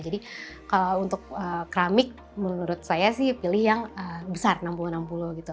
jadi kalau untuk keramik menurut saya sih pilih yang besar enam puluh enam puluh gitu